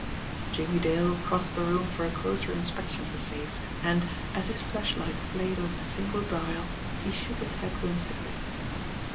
Jimmie Dale crossed the room for a closer inspection of the safe, and, as his flashlight played over the single dial, he shook his head whimsically.